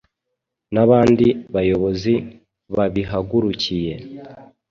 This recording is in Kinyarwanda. n’abandi bayobozi babihagurukiye”.